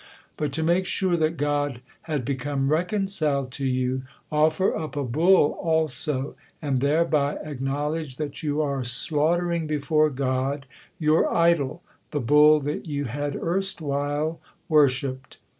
But to make sure that God had become reconciled to you, offer up a bull also, and thereby acknowledge that you are slaughtering before God your idol, the bull that you had erstwhile worshipped."